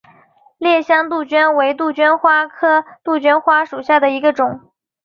烈香杜鹃为杜鹃花科杜鹃花属下的一个种。